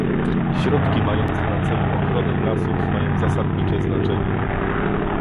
Środki mające na celu ochronę lasów mają zasadnicze znaczenie